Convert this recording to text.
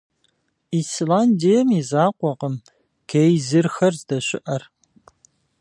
Исландием и закъуэкъым гейзерхэр здэщыӀэр.